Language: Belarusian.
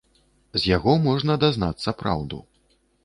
З яго можна дазнацца праўду.